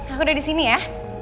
aku udah disini ya